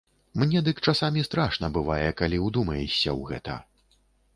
Мне дык часамі страшна бывае, калі ўдумаешся ў гэта.